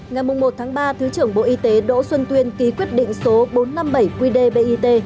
ngày một ba thứ trưởng bộ y tế đỗ xuân tuyên ký quyết định số bốn trăm năm mươi bảy qdbit